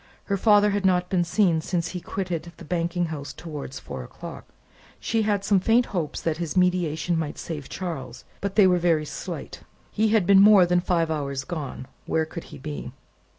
Her father had not been seen, since he quitted the banking house towards four o'clock. She had some faint hopes that his mediation might save Charles, but they were very slight. He had been more than five hours gone: where could he be?